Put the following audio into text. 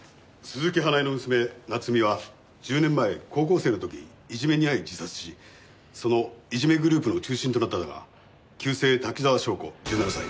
鈴木花絵の娘奈津美は１０年前高校生の時いじめに遭い自殺しそのいじめグループの中心となったのが旧姓滝沢祥子１７歳。